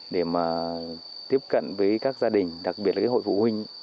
để tiếp cận với các gia đình đặc biệt là hội phụ huynh